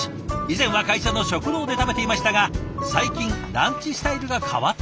以前は会社の食堂で食べていましたが最近ランチスタイルが変わったそうで。